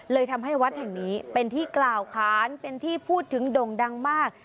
เลยทำให้วัดแห่งนี้เป็นที่กล่าวค้านเป็นที่พูดถึงด่งดังมาก